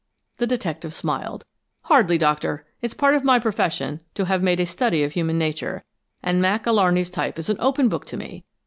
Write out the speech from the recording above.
The detective smiled. "Hardly, Doctor. It's part of my profession to have made a study of human nature, and Mac Alarney's type is an open book to me.